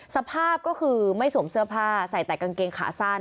สภาพก็คือไม่สวมเสื้อผ้าใส่แต่กางเกงขาสั้น